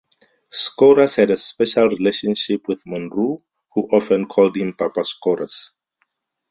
Skouras had a special relationship with Monroe, who often called him "Papa Skouras".